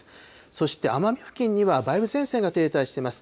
そして奄美付近には梅雨前線が停滞しています。